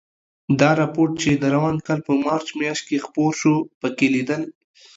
دا رپوټ چې د روان کال په مارچ میاشت کې خپور شو، پکې لیدل